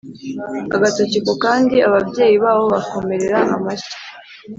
agatoki kukandi ababyeyi babo babakomera amashyi